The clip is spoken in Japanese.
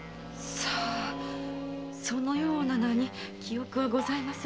さあそのような名に記憶はございませんが。